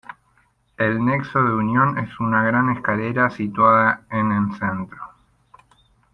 El nexo de unión es una gran escalera situada en en centro.